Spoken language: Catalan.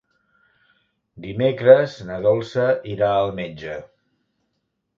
Dimecres na Dolça irà al metge.